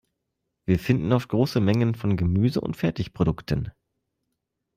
Wir finden oft große Mengen von Gemüse und Fertigprodukten.